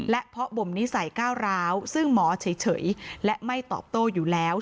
เพราะบ่มนิสัยก้าวร้าวซึ่งหมอเฉยและไม่ตอบโต้อยู่แล้ว